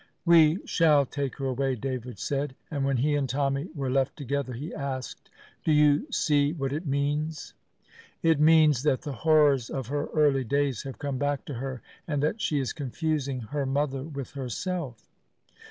"We shall take her away," David said, and when he and Tommy were left together he asked: "Do you see what it means?" "It means that the horrors of her early days have come back to her, and that she is confusing her mother with herself."